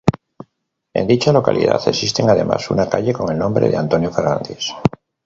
En dicha localidad existe además una calle con el nombre de ""Antonio Ferrandis.